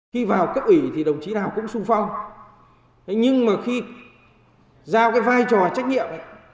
khi vào cấp ủy thì đồng chí nào cũng sung phong nhưng mà khi giao cái vai trò trách nhiệm ấy